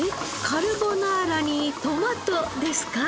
カルボナーラにトマトですか？